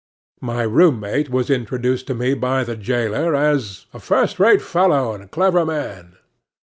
My room mate was introduced to me by the jailer as "a first rate fellow and a clever man."